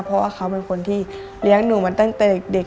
เพราะว่าเขาเป็นคนที่เลี้ยงหนูมาตั้งแต่เด็ก